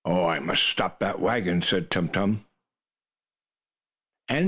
"I must stop that wagon," said Tum Tum.